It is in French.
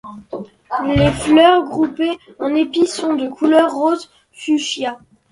Les fleurs groupées en épi sont de couleur rose fuchsia.